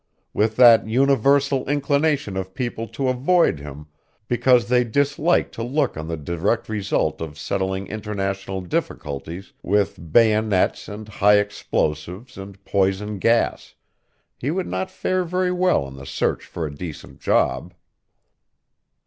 With that universal inclination of people to avoid him because they disliked to look on the direct result of settling international difficulties with bayonets and high explosives and poison gas, he would not fare very well in the search for a decent job.